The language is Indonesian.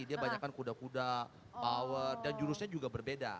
dia banyakan kuda kuda power dan jurusnya juga berbeda